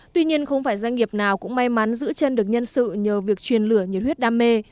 tuy nhiên không phải doanh nghiệp nào cũng may mắn giữ chân được nhân sự nhờ việc truyền lửa nhiệt huyết đam mê